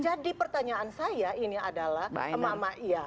jadi pertanyaan saya ini adalah emak emak iya